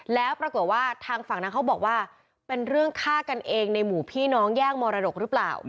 แล้วปรากฏว่าทางฝั่งนั้นเขาบอกว่าเป็นเรื่องฆ่ากันเองในหมู่พี่น้องย่างมรดกหรือเปล่า